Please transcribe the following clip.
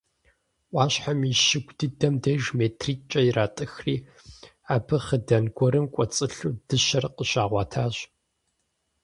Ӏуащхьэм и щыгу дыдэм деж метритӏкӏэ иратӏыхри, абы хъыдан гуэрым кӏуэцӏылъу дыщэр къыщагъуэтащ.